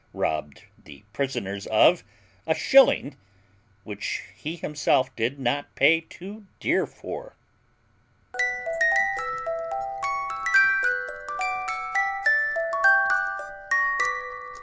robbed the prisoners of) a shilling, which he himself did not pay too dear for.